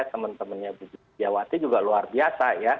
teman teman buji biawati juga luar biasa